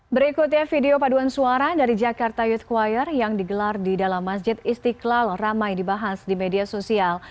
berikutnya video paduan suara dari jakarta youth choir yang digelar di dalam masjid istiqlal ramai dibahas di media sosial